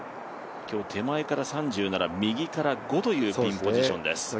今日、手前から３７右から５というポジションです。